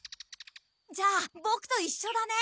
じゃあボクといっしょだね！